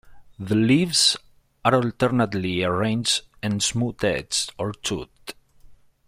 The leaves are alternately arranged and smooth-edged or toothed.